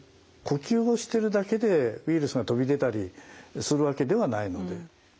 呼吸をしてるだけでウイルスが飛び出たりするわけではないので。